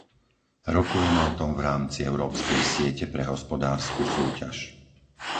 Rokujeme o tom v rámci Európskej siete pre hospodársku súťaž.